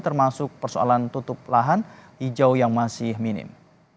termasuk persoalan tutup lahan hijau yang masih minim